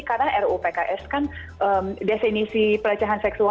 karena ruu pks kan desinisi pelecehan seksual